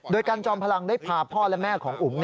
โดยกันจอมพลังได้พาพ่อและแม่ของอุ๋ม